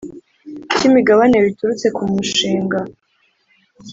cy imigabane biturutse ku mushinga